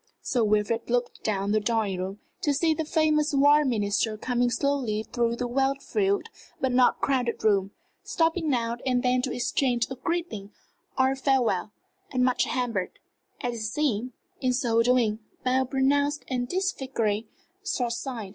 Sir Wilfrid looked down the drawing room, to see the famous War Minister coming slowly through the well filled but not crowded room, stopping now and then to exchange a greeting or a farewell, and much hampered, as it seemed, in so doing, by a pronounced and disfiguring short sight.